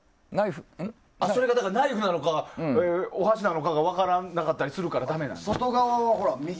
それがナイフなのかお箸なのかが分からなかったりするからダメなのか。